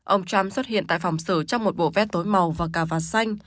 ông trump xuất hiện tại phòng xử trong một bộ vét tối màu và cà vạt xanh